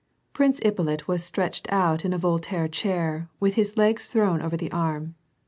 " Prince Ippolit was stretched out in a Voltaire chair, with his legs thrown over the arm.